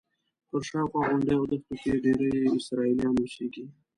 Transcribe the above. پر شاوخوا غونډیو او دښتو کې ډېری یې اسرائیلیان اوسېږي.